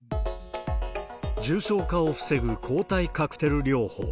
重症化を防ぐ抗体カクテル療法。